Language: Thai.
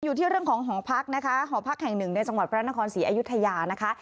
อยู่ที่เรื่องของหอพักนะคะหอพักแห่งหนึ่งในจังหวัดพระนครศรีอยุธยานะคะ